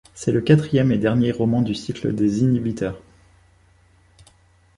C’est le quatrième et dernier roman du cycle des Inhibiteurs.